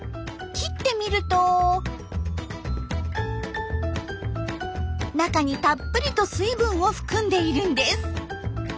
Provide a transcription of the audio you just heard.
切ってみると中にたっぷりと水分を含んでいるんです。